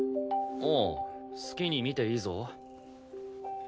ああ好きに見ていいぞ。